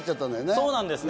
そうなんですね